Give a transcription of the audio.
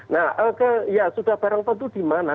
nah sudah barang tentu di mana